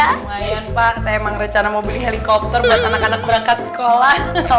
lumayan pak saya emang rencana mau beli helikopter buat anak anak berangkat sekolah